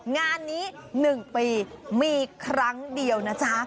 งานนี้๑ปีมีครั้งเดียวนะจ๊ะ